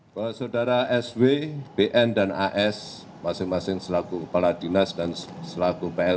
bapak sodara sw bn dan as masing masing selaku kepala dinas dan selaku plt kepala dinas esdm